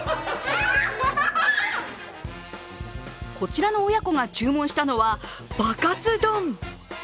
こちらの親子が注文したのはバカツ丼。